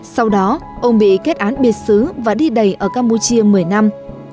sau đó ông bị kết án biệt xứ và đi đầy ở campuchia một mươi năm